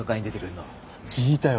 聞いたよ。